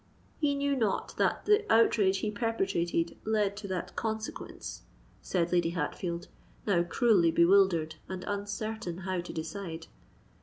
"He knew not that the outrage he perpetrated led to that consequence," said Lady Hatfield, now cruelly bewildered and uncertain how to decide.